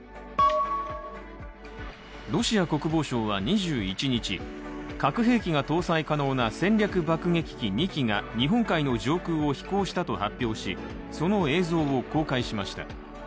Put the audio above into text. ロシア国防省は２１日核兵器が搭載可能な戦略爆撃機２機が日本海の上空を飛行したと発表しその映像を公開しました。